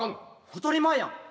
当たり前やん。